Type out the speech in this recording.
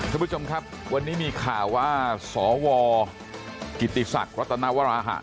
ท่านผู้ชมครับวันนี้มีข่าวว่าสวกิติศักดิ์รัตนวราหะ